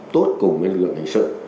tốt cùng với lực lượng hình sự